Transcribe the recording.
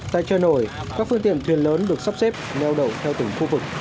tại chợ nổi các phương tiện thuyền lớn được sắp xếp neo đậu theo từng khu vực